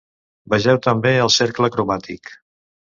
Vegeu també el cercle cromàtic.